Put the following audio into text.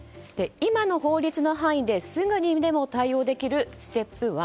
今の法律の範囲ですぐにでも対応できるステップ１。